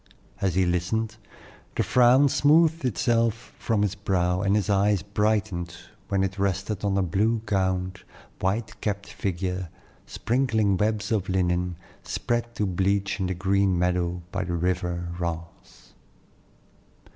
As he listened, the frown smoothed itself from his brow, and his eye brightened when it rested on a blue gowned, white capped figure, sprinkling webs of linen, spread to bleach in the green meadow by the river Rance.